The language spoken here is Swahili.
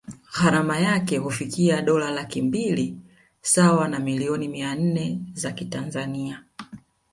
Gharama yake hufikia dola laki mbili sawa na millioni mia nne za kitanzania